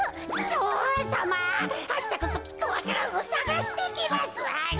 じょおうさまあしたこそきっとわか蘭をさがしてきますアリ。